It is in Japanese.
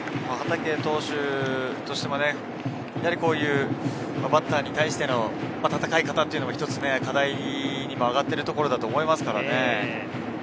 畠投手としても、こういうバッターに対しての戦い方も一つ課題に上がっているところだと思いますからね。